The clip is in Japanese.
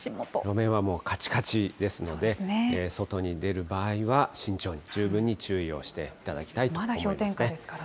路面はもうかちかちですので、外に出る場合は慎重に、十分に注意をしていただきたいと思います